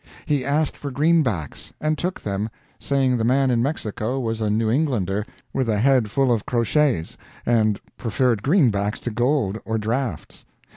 He asked for greenbacks, and took them, saying the man in Mexico was a New Englander, with a head full of crotchets, and preferred greenbacks to gold or drafts.